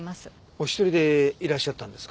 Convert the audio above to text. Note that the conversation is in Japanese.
お一人でいらっしゃったんですか？